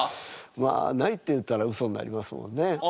まあないって言ったらウソになりますもんね。